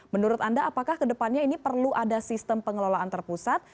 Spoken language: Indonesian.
menurut anda apakah kedepannya ini perlu ada sistem pengelolaan terpusat